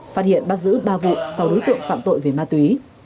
phát hiện bắt giữ ba vụ sáu đối tượng phạm tội về ma túy